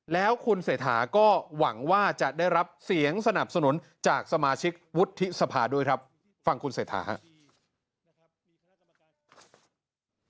แล้วคุณเศรษฐาก็หวังว่าจะได้รับเสียงสนับสนุนจากสมาชิกวุฒิสภาด้วยครับฟังคุณเศรษฐาครับ